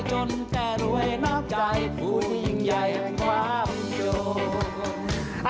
จนแก่รวยนับใจผู้หญิงใหญ่ความโยค